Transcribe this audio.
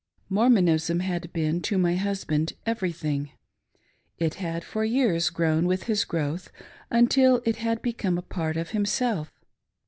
. Mormonism had been, to my husband, everything. It had for years grown with his growth, until it had become a part of himself.